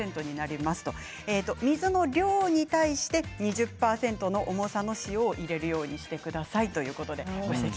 水の量に対して２０％の重さの塩を入れるようにしてくださいということでご指摘